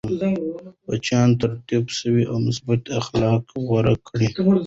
بچيان تربیت سوي او مثبت اخلاق غوره کوي.